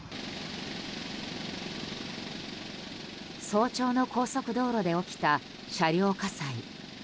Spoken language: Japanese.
早朝の高速道路で起きた車両火災。